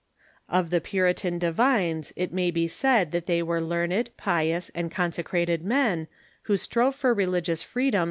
Of the Puritan divines it may be said that they Avere learned, pious, and consecrated men, who strove for religious freedom „.